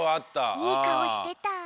いいかおしてた。